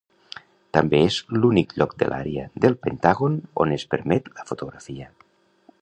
També és l'únic lloc de l'àrea del Pentàgon on es permet la fotografia.